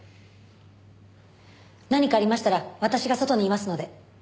何かありましたら私が外にいますので。